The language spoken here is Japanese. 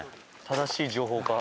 正しい情報か。